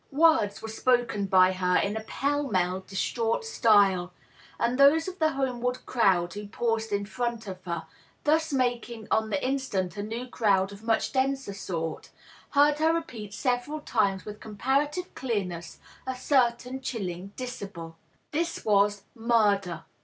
Words were spoken by her in a pell mell, distraught style, and those of the homeward crowd who paused in front of her, thus making on the instant a new crowd of much denser sort, heard her repeat several times with comparative clearness a certain diilling dissyllable. This was " murder."